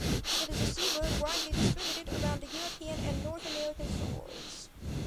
It is a seabird widely distributed around the European and North American shores.